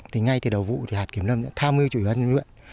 thì ngay từ đầu vụ thì hạt kiểm lâm đã tham mưu